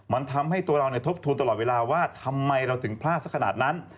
มันทำให้ตัวเราทบทวนตลอดเวลาว่าทำไมเราถึงพลาดสักขนาดนั้น